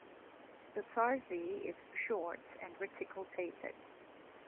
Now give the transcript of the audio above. The tarsi is short and reticultated.